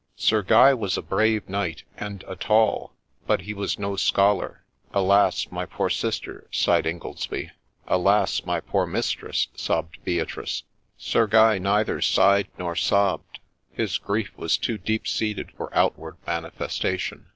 Sir Guy was a brave knight, and a tall ; but he was no scholar. * Alas ! my poor sister !' sighed Ingoldsby. ' Alas ! my poor Mistress !' sobbed Beatrice. Sir Guy neither sighed nor sobbed ; his grief was too deep seated for outward manifestation.